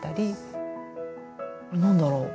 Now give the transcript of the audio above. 何だろう？